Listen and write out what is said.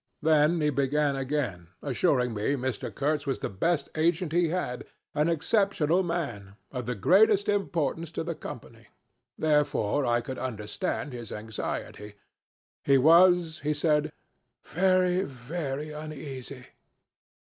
Then he began again, assuring me Mr. Kurtz was the best agent he had, an exceptional man, of the greatest importance to the Company; therefore I could understand his anxiety. He was, he said, 'very, very uneasy.'